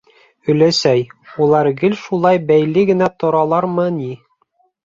— Өләсәй, улар гел шулай бәйле генә торалармы ни?